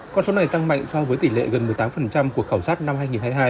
con số này tăng mạnh so với tỷ lệ gần một mươi tám của khảo sát năm hai nghìn hai mươi hai